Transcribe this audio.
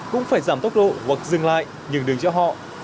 cũng phải giảm tốc độ hoặc dừng lại nhường đường cho họ